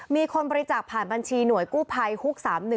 มีคนบริจาคผ่านบัญชีหน่วยกู้ภัยฮุก๓๑